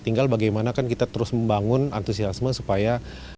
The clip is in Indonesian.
tinggal bagaimana kan kita terus membangun antusiasme supaya